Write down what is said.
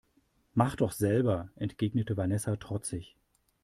Mach doch selber, entgegnete Vanessa trotzig.